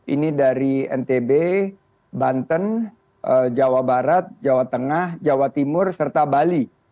ini dari ntb banten jawa barat jawa tengah jawa timur serta bali